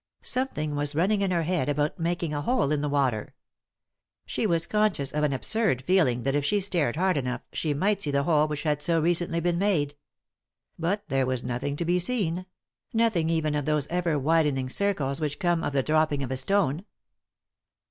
Something was running in her head about "making a hole in the water." She was conscious of an absurd feeling that if she stared hard enough she might see the hole which had so recently been made. But there was nothing to be seen ; nothing, even, of those ever widening circles which come or the dropping of a stone.